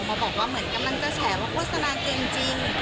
มาบอกว่าเหมือนกันมันจะแฉะละพัฒนาเจริญ